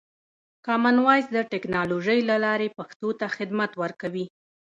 کامن وایس د ټکنالوژۍ له لارې پښتو ته خدمت ورکوي.